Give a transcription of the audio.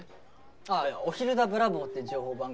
ああ「お昼だブラボー！」っていう情報番組で。